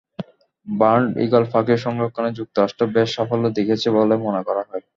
Bald eagle পাখির সংরক্ষণে যুক্তরাষ্ট্র বেশ সাফল্য দেখিয়েছে বলে মনে করা হয়।